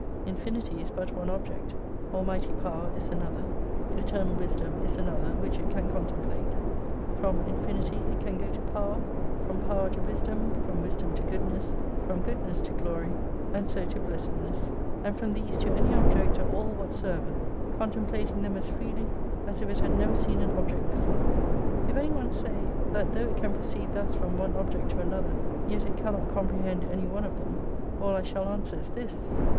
Infinity is but one object, almighty power is another, eternal wisdom is another which it can contemplate ; from infinity it can go to power, from power to wisdom, from wisdom to goodness, from goodness to glory, and so to blessedness, and from these to any object or all what soever, contemplating them as freely as if it had never seen an object before. If any one say, that though it can proceed thus from one object to another, yet it can not comprehend any one of them, all I shall answer is this.